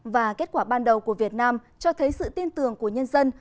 và kết quả ban đầu của việt nam cho thấy sự tin tưởng của nhân dân